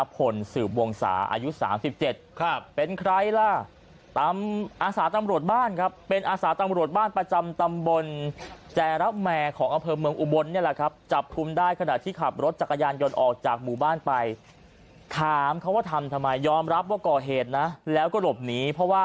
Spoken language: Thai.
เพราะว่าชัดขนาดยังไงก็ต้องรู้ชื่อหรือว่าอะไรอย่างนี้ค่ะ